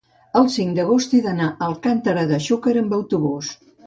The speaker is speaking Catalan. El cinc d'agost he d'anar a Alcàntera de Xúquer amb autobús.